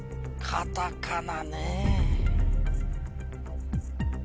カタカナ？